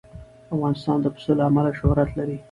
افغانستان د پسه له امله شهرت لري.